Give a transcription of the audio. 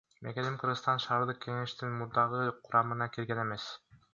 Мекеним Кыргызстан шаардык кеңештин мурдагы курамына кирген эмес.